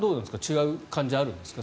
違う感じあるんですか？